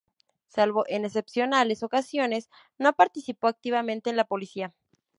Salvo en excepcionales ocasiones, no participó activamente en la política.